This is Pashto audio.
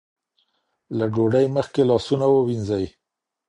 له ډوډۍ مخکې لاسونه ووینځئ.